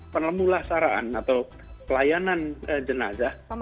penelmulahsaraan atau pelayanan jenazah